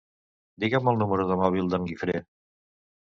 Digue'm el número de mòbil d'en Guifré.